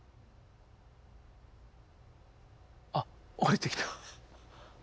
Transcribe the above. あっおりてきた。